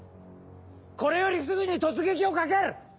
これよりすぐに突撃をかける！